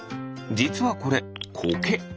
じつはこれコケ。